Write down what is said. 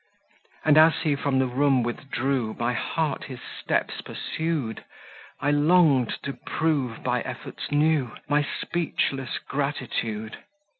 And as he from the room withdrew, My heart his steps pursued; I long'd to prove, by efforts new; My speechless gratitude.